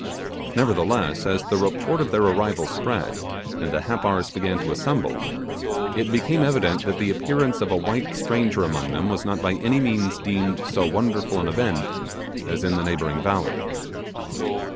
Nevertheless, as the report of their arrival spread, and the Happars began to assemble, it became evident that the appearance of a white stranger among them was not by any means deemed so wonderful an event as in the neighbouring valley.